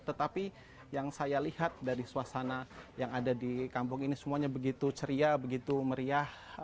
tetapi yang saya lihat dari suasana yang ada di kampung ini semuanya begitu ceria begitu meriah